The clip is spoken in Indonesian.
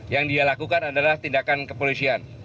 yang dia lakukan adalah tindakan kepolisian